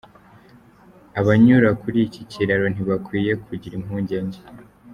Abanyura kuri iki kiraro ntibakwiye kugira impungenge’.